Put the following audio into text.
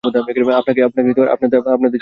আপনাকে আপনার দেশে ফিরতে হবে!